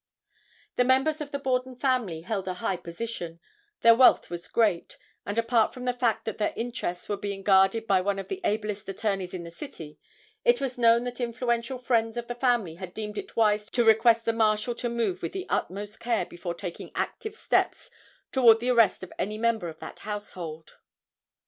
The members of the Borden family held a high position, their wealth was great, and, apart from the fact that their interests were being guarded by one of the ablest attorneys in the city, it was known that influential friends of the family had deemed it wise to request the Marshal to move with the utmost care before taking active steps toward the arrest of any member of that household.